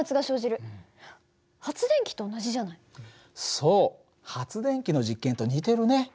そう発電機の実験と似てるね。